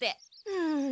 うん。